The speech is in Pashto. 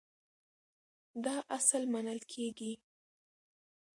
دا اصل منل کېږي.